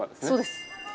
そうです。